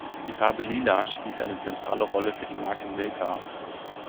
Die Farbe Lila spielt eine zentrale Rolle für die Marke Milka.